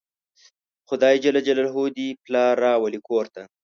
خدای ج دې پلار راولي کور ته